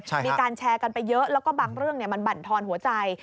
มีการแชร์กันไปเยอะแล้วก็บางเรื่องมันบั่นทอนหัวใจ